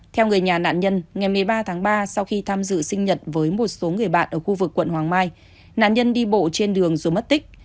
theo người nhà nạn nhân ngày một mươi ba tháng ba sau khi tham dự sinh nhật với một số người bạn ở khu vực quận hoàng mai nạn nhân đi bộ trên đường rồi mất tích